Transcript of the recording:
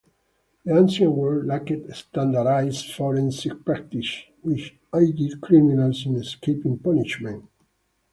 The ancient world lacked standardized forensic practices, which aided criminals in escaping punishment.